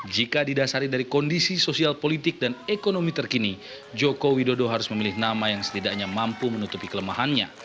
jika didasari dari kondisi sosial politik dan ekonomi terkini joko widodo harus memilih nama yang setidaknya mampu menutupi kelemahannya